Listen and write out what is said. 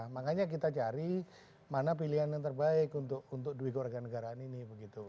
makanya kita cari mana pilihan yang terbaik untuk duit warga negaraan ini begitu